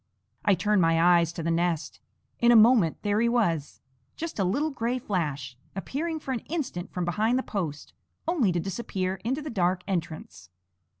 I turned my eyes to the nest. In a moment there he was just a little gray flash, appearing for an instant from behind the post, only to disappear into the dark entrance.